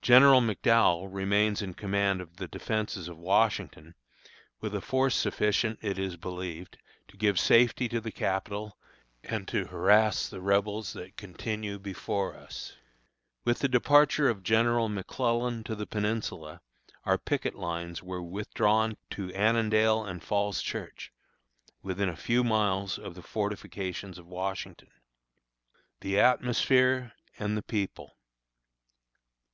General McDowell remains in command of the defences of Washington, with a force sufficient, it is believed, to give safety to the Capital, and to harass the Rebels who continue before us. With the departure of General McClellan to the Peninsula, our picket lines were withdrawn to Annandale and Falls Church, within a few miles of the fortifications of Washington. THE ATMOSPHERE AND THE PEOPLE.